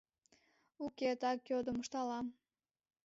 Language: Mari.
— Уке, так йодым, — ышталам.